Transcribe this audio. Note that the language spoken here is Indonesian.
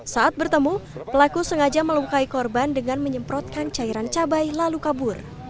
saat bertemu pelaku sengaja melukai korban dengan menyemprotkan cairan cabai lalu kabur